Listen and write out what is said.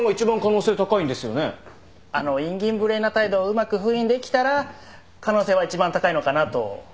あのいんぎん無礼な態度をうまく封印できたら可能性は一番高いのかなと。